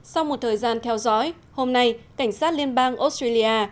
sau một thời gian theo dõi hôm nay cảnh sát liên bang australia